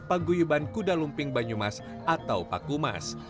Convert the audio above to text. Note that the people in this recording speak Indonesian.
pak guyuban kuda lumping banyumas atau pak kumas